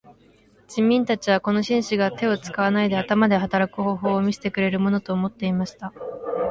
人民たちはこの紳士が手を使わないで頭で働く方法を見せてくれるものと思っていました。